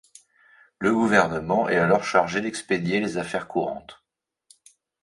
Le gouvernement est alors chargé d'expédier les affaires courantes.